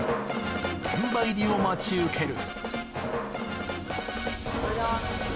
現場入りを待ち受ける。